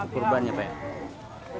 kurban ya pak ya